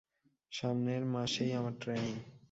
সামনের মাসেই আমার ট্রেনিং।